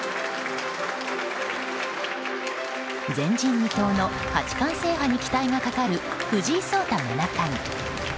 前人未到の八冠制覇に期待がかかる、藤井聡太七冠。